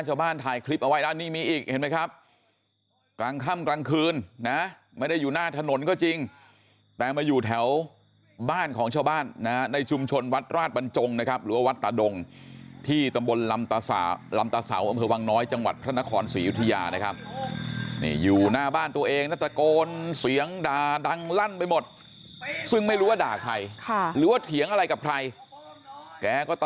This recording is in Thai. ชาวบ้านถ่ายคลิปเอาไว้แล้วนี่มีอีกเห็นไหมครับกลางค่ำกลางคืนนะไม่ได้อยู่หน้าถนนก็จริงแต่มาอยู่แถวบ้านของชาวบ้านนะในชุมชนวัดราชบรรจงนะครับหรือว่าวัดตาดงที่ตำบลลำตะเสาอำเภอวังน้อยจังหวัดพระนครศรียุธยานะครับนี่อยู่หน้าบ้านตัวเองนะตะโกนเสียงดังลั่นไปหมดซึ่งไม่รู้ว่าด่าใครค่ะหรือว่าเถียงอะไรกับใครแกก็ต